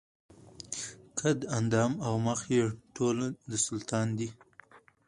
قد اندام او مخ یې ټوله د سلطان دي